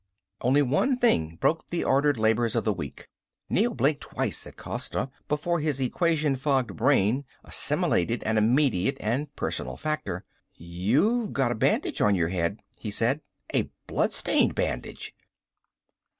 Only one thing broke the ordered labors of the week. Neel blinked twice at Costa before his equation fogged brain assimilated an immediate and personal factor. "You've a bandage on your head," he said. "A blood stained bandage!"